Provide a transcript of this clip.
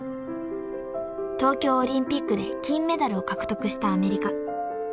［東京オリンピックで金メダルを獲得したアメリカ］